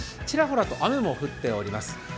ちらほらと雨も降っております。